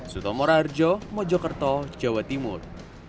suto morarjo mojokerto jawa timur